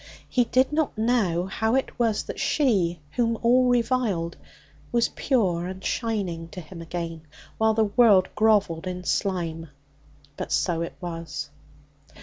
He did not know how it was that she, whom all reviled, was pure and shining to him again, while the world grovelled in slime. But so it was.